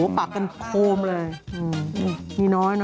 อุ้โหปากกันโครมเลย